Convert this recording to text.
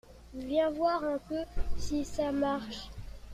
Viens voir un peu si ça marche.